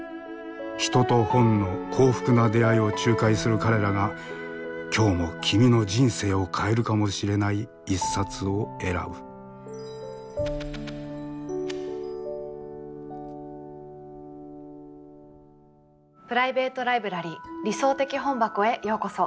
人と本の幸福な出会いを仲介する彼らが今日も君の人生を変えるかもしれない一冊を選ぶプライベート・ライブラリー「理想的本箱」へようこそ。